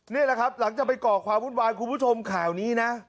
นี่แหละครับหลังจากไปก่อความวุ่นวายคุณผู้ชมข่าวนี้นะ